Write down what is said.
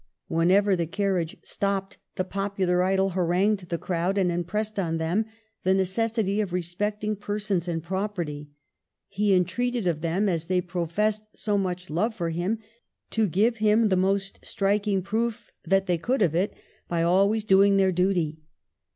Whenever the carriage stopped, the popular idol harangued the crowd and impressed on them the necessity of respecting persons and property ; he entreated of them, as they professed so much love for him, to give him the most striking proof that they could of it, by always doing their duty.